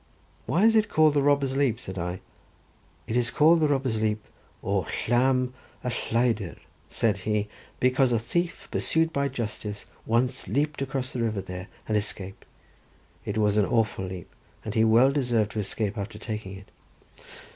"Why is it called the Robber's Leap?" said I. "It is called the Robber's Leap, or Llam y Lleidyr," said he, "because a thief pursued by justice once leaped across the river there and escaped. It was an awful leap, and he well deserved to escape after taking it."